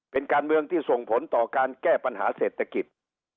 เป็นการเมืองที่ส่งผลต่อการแก้ปัญหาเศรษฐกิจ